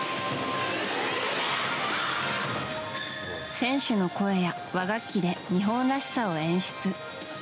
選手の声や和楽器で日本らしさを演出。